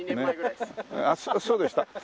あっそうでした？